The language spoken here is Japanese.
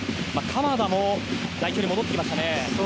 鎌田も代表に戻ってきましたね。